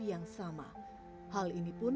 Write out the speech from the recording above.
yang sama hal ini pun